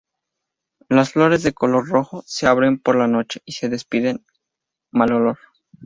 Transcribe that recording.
Las flores, de color rojo, se abren por la noche y despiden mal olor.